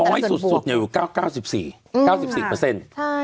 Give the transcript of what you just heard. น้อยสุดสุดอยู่เก้าเก้าสิบสี่อืมเก้าสิบสิบเปอร์เซ็นต์ใช่